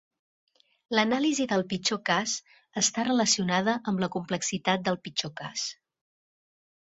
L'anàlisi del pitjor cas està relacionada amb la complexitat del pitjor cas.